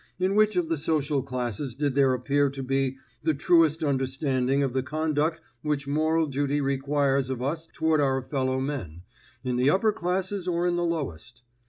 In which of the social classes did there appear to be the truest understanding of the conduct which moral duty requires of us toward our fellow men in the upper classes or in the lowest?